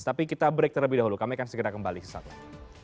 tapi kita break terlebih dahulu kami akan segera kembali ke saat lain